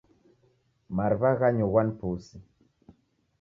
Mariw'a ghanyughwa ni pusi.